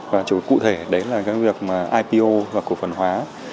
và chủ cụ thể đấy là cái việc ipo và cổ phần hóa